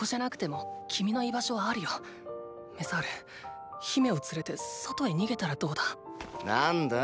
メサール姫を連れて外へ逃げたらどうだ？なんだァ？